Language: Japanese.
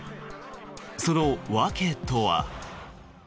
その訳とは。